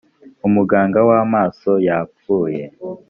umuganga wamaso yapfuye.